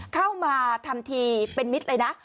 เข้ามาทำทีเป็นมิตรเลยนะ